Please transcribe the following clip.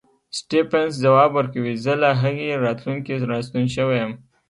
سټېفنس ځواب ورکوي زه له هغې راتلونکې راستون شوی یم.